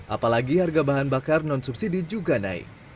apalagi harga bahan bakar non subsidi juga naik